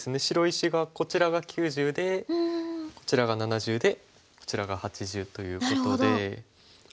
白石がこちらが９０でこちらが７０でこちらが８０ということで。